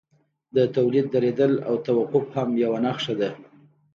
د تولید درېدل او توقف هم یوه نښه ده